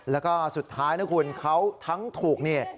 แล้วก็สุดท้ายนะคุณเขาทั้งถูกนี่